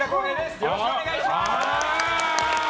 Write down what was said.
よろしくお願いします。